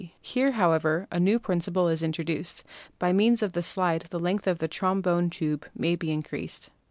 Here, however, a new principle is introduced — by means of the slide the length of the trom bone tube may be increased.